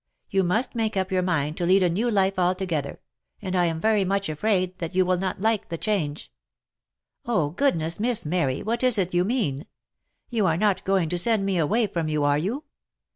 You must make up your mind to lead a new life altogether ; and I am very much afraid that you will not like the change." " Oh ! goodness, Miss Mary, what is it you mean ? You are not going to send me away from you, are you